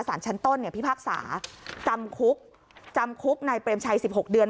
สารชั้นต้นเนี่ยพิพากษาจำคุกจำคุกนายเปรมชัย๑๖เดือน